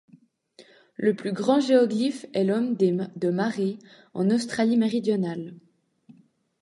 Le plus grand géoglyphe est l'homme de Marree en Australie-Méridionale.